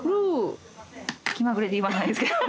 ・気まぐれで言わないですけど。